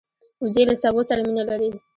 وزې له سبو سره مینه لري